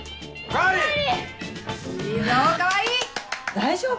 大丈夫？